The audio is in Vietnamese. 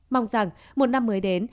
mong rằng một năm mới đến